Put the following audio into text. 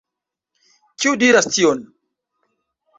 Kiu diras tion?